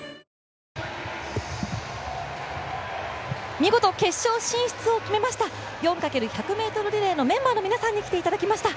見事、決勝進出を決めました４×１００ｍリレーのメンバーの皆さんに来ていただきました